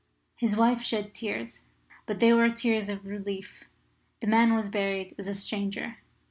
His wife shed tears, but they were tears of relief. The man was buried as a stranger.